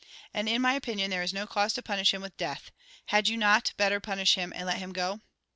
And, in my opinion, there is no cause to punish him with death. Had vou not better punish hun and let him go